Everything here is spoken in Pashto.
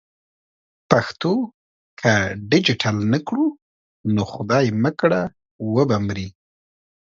پښتو که ډیجیټل نه کړو نو خدای مه کړه و به مري.